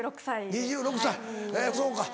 ２６歳そうか。